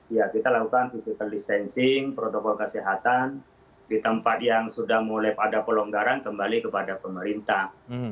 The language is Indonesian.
ya kita lakukan physical distancing protokol kesehatan di tempat yang sudah mulai pada pelonggaran kembali kepada pemerintah